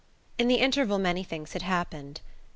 In the interval many things had happened.